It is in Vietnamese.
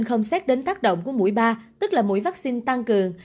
không xét đến tác động của mũi ba tức là mũi vaccine tăng cường